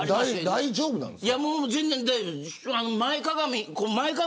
大丈夫なんですか。